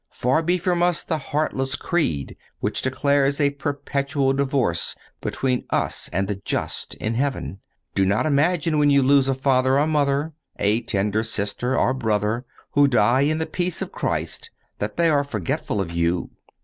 Far be from us the heartless creed which declares a perpetual divorce between us and the just in heaven! Do not imagine when you lose a father or mother, a tender sister or brother, who die in the peace of Christ, that they are forgetful of you.